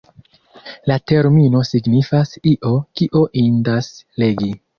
La termino signifas “io, kio indas legi”.